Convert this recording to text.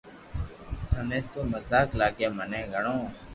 ٿني تو مزاق لاگي مني گھڙو